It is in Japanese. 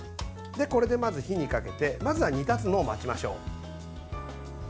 これで火にかけてまずは煮立つのを待ちましょう。